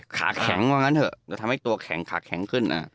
ขาแข็งว่างั้นเถอะจะทำให้ตัวแข็งขาแข็งขึ้น